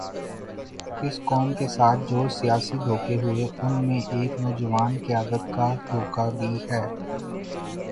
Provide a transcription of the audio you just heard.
اس قوم کے ساتھ جو سیاسی دھوکے ہوئے، ان میں ایک نوجوان قیادت کا دھوکہ بھی ہے۔